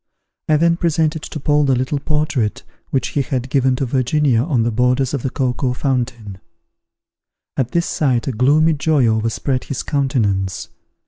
I then presented to Paul the little portrait which he had given to Virginia on the borders of the cocoa tree fountain. At this sight a gloomy joy overspread his countenance.